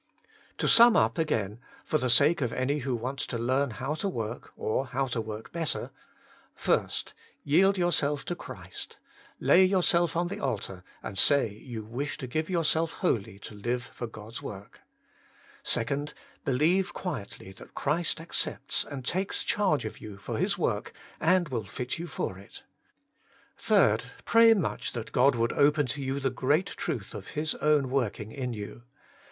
To sum up again, for the sake of any who want to learn how to work, or how to work better : 1. Yield yourself to Christ. Lay yourself on the altar, and say you wish to give yourself wholly to Hve for God's work. 2. Believe quietly that Christ accepts and takes charge of you for His work, and will fit you for it. 3. Pray much that God would open to you the great truth of His own working in you.